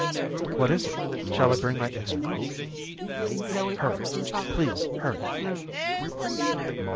"What is it? Shall I bring my instruments?" "Hurry, please, hurry."